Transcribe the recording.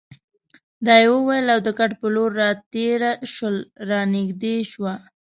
دا یې وویل او د کټ په لور راتېره شول، را نږدې شوه.